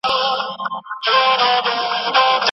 خطي نسخې تر چاپي کتابونو ډېر پام غواړي.